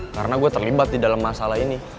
karena gue terlibat di dalam masalah ini